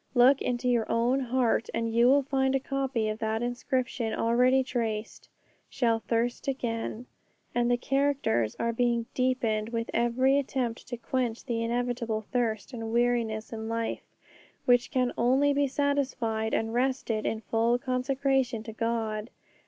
Look into your own heart and you will find a copy of that inscription already traced, 'Shall thirst again.' And the characters are being deepened with every attempt to quench the inevitable thirst and weariness in life, which can only be satisfied and rested in full consecration to God.